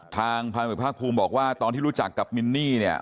ทางพันธุภาคภูมิบอกว่าตอนที่รู้จักกับมินนี่เนี่ย